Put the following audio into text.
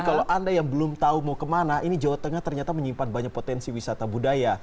kalau anda yang belum tahu mau kemana ini jawa tengah ternyata menyimpan banyak potensi wisata budaya